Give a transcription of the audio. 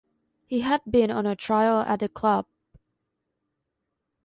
He had been on trial at the club.